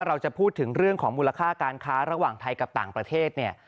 เราจะพูดถึงเรื่องของมูลค่าการค้าระหว่างไทยกับต่างประเทศเนี่ย